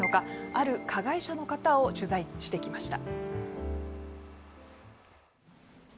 ある加害者の方を取材してきました。